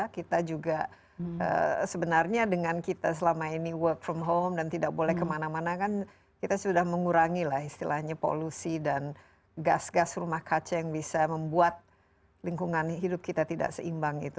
kita juga sebenarnya dengan kita selama ini work from home dan tidak boleh kemana mana kan kita sudah mengurangi lah istilahnya polusi dan gas gas rumah kaca yang bisa membuat lingkungan hidup kita tidak seimbang itu